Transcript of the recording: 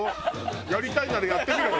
やりたいならやってみろよ。